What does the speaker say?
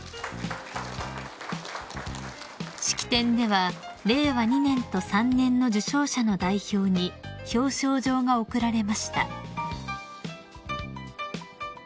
［式典では令和２年と３年の受章者の代表に表彰状が贈られました］